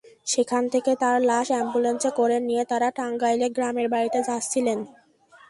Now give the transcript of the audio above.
সেখান থেকে তাঁর লাশ অ্যাম্বুলেন্সে করে নিয়ে তাঁরা টাঙ্গাইলে গ্রামের বাড়িতে যাচ্ছিলেন।